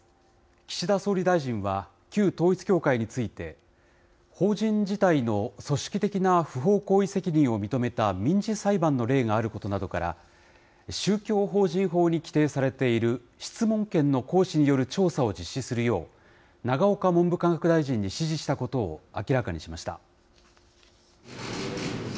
岸田総理大臣は、旧統一教会について、法人自体の組織的な不法行為責任を認めた民事裁判の例があることなどから、宗教法人法に規定されている質問権の行使による調査を実施するよう、永岡文部科学大臣に指示したことを明らかにしました。